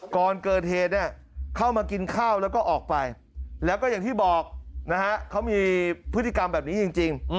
ก่อนเกิดเหตุเนี่ยเข้ามากินข้าวแล้วก็ออกไปแล้วก็อย่างที่บอกนะฮะเขามีพฤติกรรมแบบนี้จริง